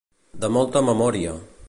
De molta memòria.